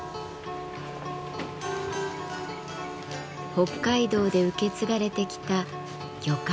北海道で受け継がれてきた魚介の燻製。